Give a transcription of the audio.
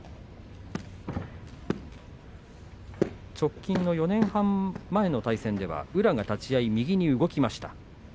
直近の４年半前の対戦では宇良が立ち合い右に動きました。